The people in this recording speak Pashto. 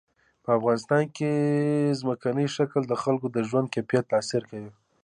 په افغانستان کې ځمکنی شکل د خلکو د ژوند کیفیت تاثیر کوي.